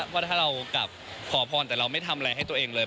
ว่าถ้าเรากลับขอพรแต่เราไม่ทำอะไรให้ตัวเองเลย